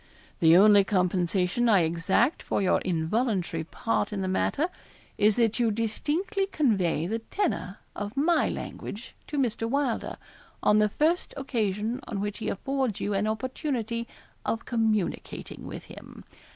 'The only compensation I exact for your involuntary part in the matter is that you distinctly convey the tenor of my language to Mr. Wylder, on the first occasion on which he affords you an opportunity of communicating with him.